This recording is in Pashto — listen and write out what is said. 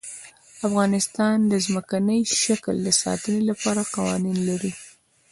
افغانستان د ځمکنی شکل د ساتنې لپاره قوانین لري.